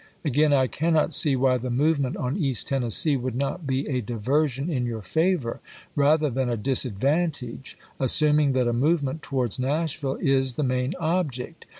Again, I cannot see why the movement on East Ten nessee would not be a diversion in your favor, rather than a disadvantage, assuming that a movement towards NashviUe is the main object.